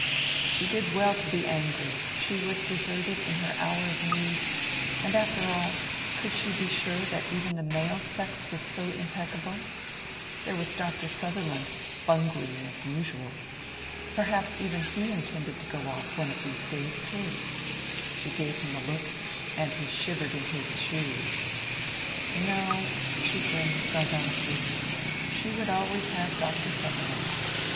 She did well to be angry; she was deserted in her hour of need; and after all, could she be sure that even the male sex was so impeccable? There was Dr. Sutherland, bungling as usual. Perhaps even he intended to go off one of these days, too? She gave him a look, and he shivered in his shoes. No! she grinned sardonically; she would always have Dr. Sutherland.